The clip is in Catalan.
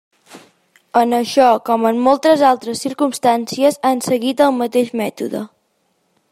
En això, com en moltes altres circumstàncies, han seguit el mateix mètode.